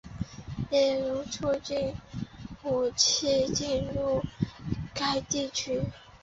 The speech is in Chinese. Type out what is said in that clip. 例如促进武器进入该地区。